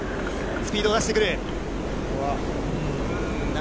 スピードを出してくる。